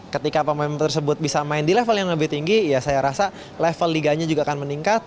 ketika pemain tersebut bisa main di level yang lebih tinggi ya saya rasa level liganya juga akan meningkat